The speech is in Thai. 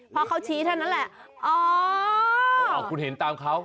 พอเขาชี้เท่านั้นแหละอ๋อคุณเห็นตามเขา